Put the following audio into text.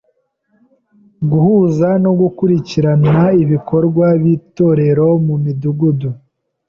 Guhuza no gukurikirana ibikorwa by’Itorero mu Midugudu;